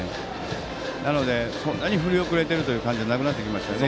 なので、そんなに振り遅れてる感じではなくなってきましたね。